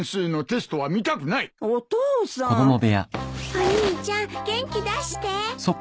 お兄ちゃん元気出して。